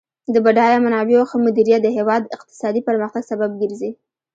د بډایه منابعو ښه مدیریت د هیواد د اقتصادي پرمختګ سبب ګرځي.